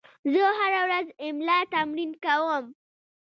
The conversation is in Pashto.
زه هره ورځ املا تمرین کوم.